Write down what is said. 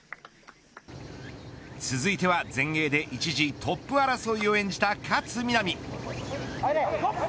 続いては全英で一時トップ争いを演じた勝みなみ。